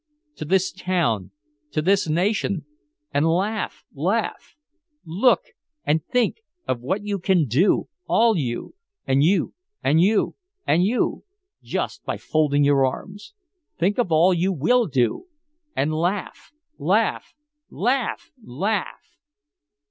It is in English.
To this town, to this nation and laugh, laugh! Look and think of what you can do all you and you and you and you by just folding your arms! Think of all you will do! And laugh laugh! Laugh! Laugh!"